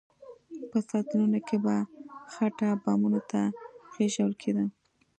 په سطلونو کې به خټه بامونو ته خېژول کېده.